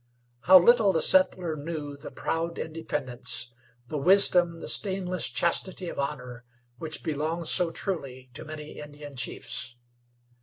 How little the settler knew the proud independence, the wisdom, the stainless chastity of honor, which belonged so truly to many Indian chiefs!